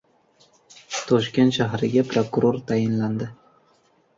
Toshkent shahriga prokuror tayinlandi